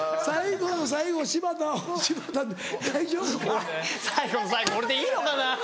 最後の最後俺でいいのかな？